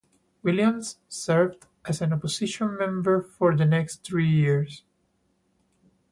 Williams served as an opposition member for the next three years.